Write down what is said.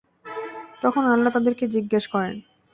তখন আল্লাহ তাদেরকে জিজ্ঞেস করেন।